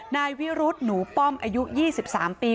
นายวิรุธหนูป้อมอายุ๒๓ปี